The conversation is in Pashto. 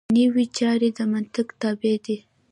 دنیوي چارې د منطق تابع دي.